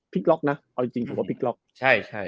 พลิกล็อกนะเอาจริงถูกว่าพลิกล็อกใช่